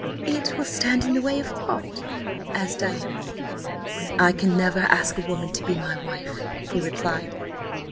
"It will stand in the way–of what?" asked Diana. "I can never ask a woman to be my wife," he replied.